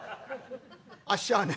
あっしはね